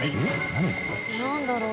何だろう？